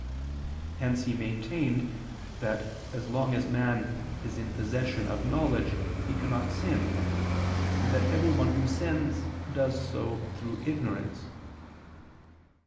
Hence he maintained that as long as man is in possession of knowledge, he cannot sin; and that every one who sins, does so through ignorance.